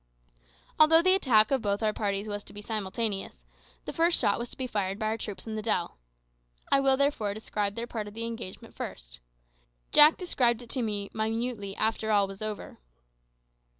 Although the attack of both our parties was to be simultaneous, the first shot was to be fired by our troops in the dell. I will therefore describe their part of the engagement first. Jack described it to me minutely after all was over.